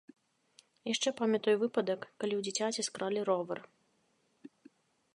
Яшчэ памятаю выпадак, калі ў дзіцяці скралі ровар.